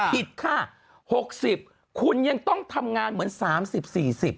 ผิดค่ะหกสิบคุณยังต้องทำงานเหมือนสามสิบสี่สิบ